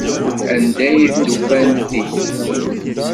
Anda ay d-ufan ti?